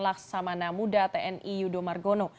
laksamana muda tni yudo margono